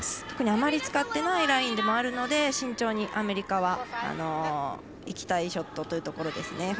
特にあまり使っていないラインでもあるので慎重にアメリカはいきたいショットというところですね。